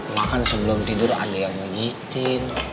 makan sebelum tidur ada yang megicin